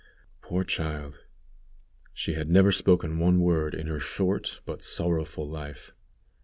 Poor child! she had never spoken one word in her short but sorrowful life.